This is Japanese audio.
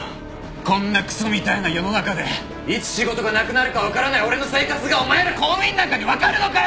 こんなクソみたいな世の中でいつ仕事がなくなるかわからない俺の生活がお前ら公務員なんかにわかるのかよ！